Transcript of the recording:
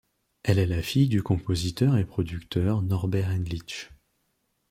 Elle est la fille du compositeur et producteur Norbert Endlich.